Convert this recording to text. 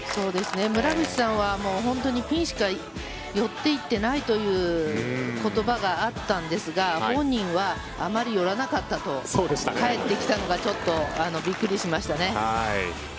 村口さんはピンしか寄っていっていないという言葉があったんですが本人はあまり寄らなかったと返ってきたのがちょっとびっくりしましたね。